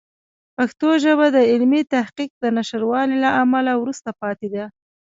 پښتو ژبه د علمي تحقیق د نشتوالي له امله وروسته پاتې ده.